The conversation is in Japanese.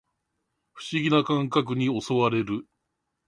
不思議な感覚に襲われる